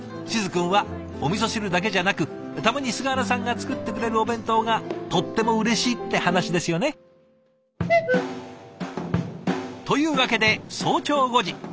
静くんはおみそ汁だけじゃなくたまに菅原さんが作ってくれるお弁当がとってもうれしいって話ですよね？というわけで早朝５時。